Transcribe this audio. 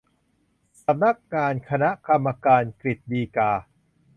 สำนักงานคณะกรรมการกฤษฎีกา